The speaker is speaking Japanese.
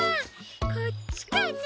こっちかな？